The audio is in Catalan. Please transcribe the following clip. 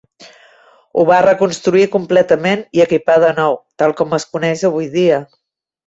Ho va reconstruir completament i equipar de nou, tal com es coneix avui dia.